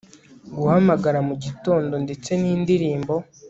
Guhamagara mugitondo ndetse nindirimbo